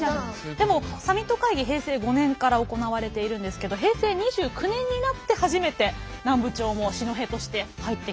でもサミット会議平成５年から行われているんですけど平成２９年になって初めて南部町も四戸として入ってきた。